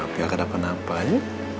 biar gak dapet apa apa ya